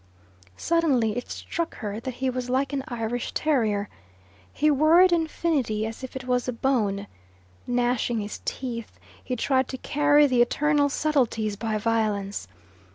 Suddenly it struck her that he was like an Irish terrier. He worried infinity as if it was a bone. Gnashing his teeth, he tried to carry the eternal subtleties by violence.